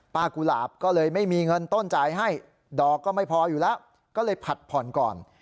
กุหลาบก็เลยไม่มีเงินต้นจ่ายให้ดอกก็ไม่พออยู่แล้วก็เลยผัดผ่อนก่อน